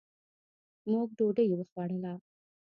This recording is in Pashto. مونږ ډوډي وخوړله